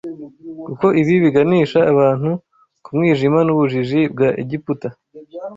kuko ibi biganisha abantu ku mwijima n’ubujiji bwa Egiputa